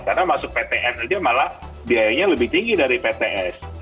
karena masuk ptn aja malah biayanya lebih tinggi dari pts